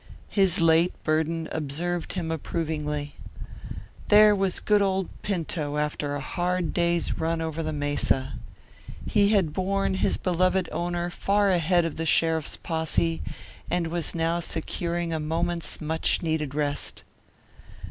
His late burden observed him approvingly. There was good old Pinto after a hard day's run over the mesa. He had borne his beloved owner far ahead of the sheriff's posse, and was now securing a moment's much needed rest.